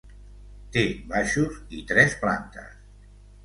Té baixos i tres plantes.